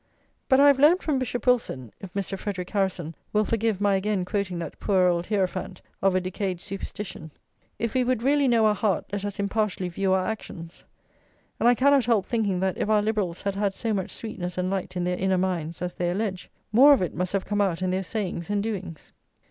But I have learned from Bishop Wilson (if Mr. Frederic Harrison will forgive my again quoting that poor old hierophant of a decayed superstition): "If we would really know our heart let us impartially view our actions;" and I cannot help thinking that if our liberals had had so much sweetness and light in their inner minds as they allege, more of it must have come out in their sayings and doings.